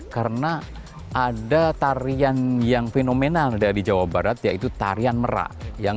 karena ada tarian yang fenomenal di jawa barat yaitu tarian merah